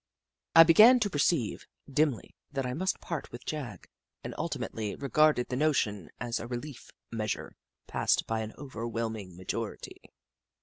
I began to perceive, dimly, that I must part with Jagg, and ultimately regarded the notion as a relief measure passed by an overwhelm ing majority.